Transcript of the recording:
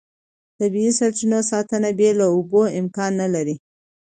د طبیعي سرچینو ساتنه بې له اوبو امکان نه لري.